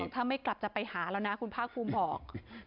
ถ้าไม่กลับจะไปหาแล้วนะคุณภาคภูมิบอก